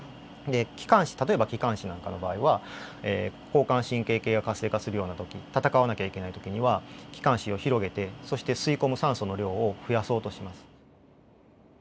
で気管支例えば気管支なんかの場合は交感神経系が活性化するようなとき戦わなきゃいけないときには気管支を広げてそして吸い込む酸素の量を増やそうとします。